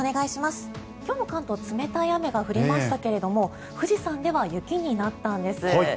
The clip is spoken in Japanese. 今日の関東冷たい雨が降りましたが富士山では雪になったんです。